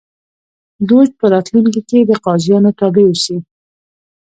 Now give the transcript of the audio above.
دوج په راتلونکي کې د قاضیانو تابع اوسي